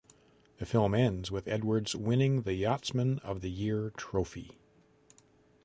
The film ends with Edwards winning the Yachtsman of the Year Trophy.